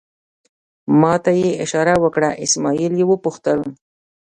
ما ته یې اشاره وکړه، اسمعیل یې وپوښتل.